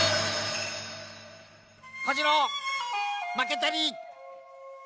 小次郎っ負けたり！